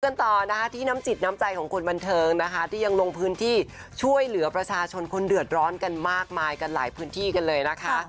กันต่อนะคะที่น้ำจิตน้ำใจของคนบันเทิงนะคะที่ยังลงพื้นที่ช่วยเหลือประชาชนคนเดือดร้อนกันมากมายกันหลายพื้นที่กันเลยนะคะ